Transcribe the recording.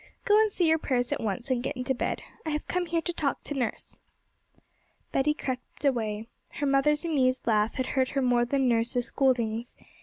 Go and say your prayers at once, and get into bed. I have come here to talk to nurse.' Betty crept away. Her mother's amused laugh had hurt her more than nurse's scoldings.